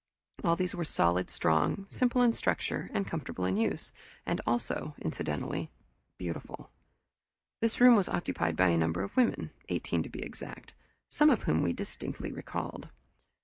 All these were solid, strong, simple in structure, and comfortable in use also, incidentally, beautiful. This room was occupied by a number of women, eighteen to be exact, some of whom we distinctly recalled.